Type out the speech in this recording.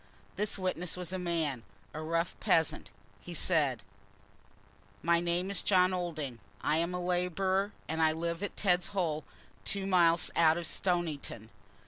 This witness was a man, a rough peasant. He said: "My name is John Olding. I am a labourer, and live at Tedd's Hole, two miles out of Stoniton.